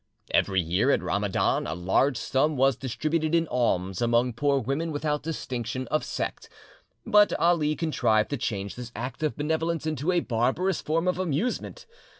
Every year, at Ramadan, a large sum was distributed in alms among poor women without distinction of sect. But Ali contrived to change this act of benevolence into a barbarous form of amusement.